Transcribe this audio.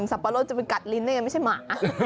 ปะรดจะไปกัดลิ้นได้ไงไม่ใช่หมา